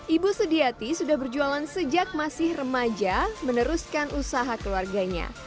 ibu sediati sudah berjualan sejak masih remaja meneruskan usaha keluarganya